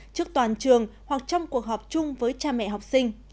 trước toàn trường hoặc trong cuộc họp chung với cha mẹ học sinh